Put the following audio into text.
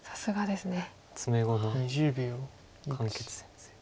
詰碁の漢傑先生。